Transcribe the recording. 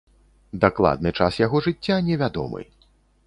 Дакладны час яго жыцця не вядомы.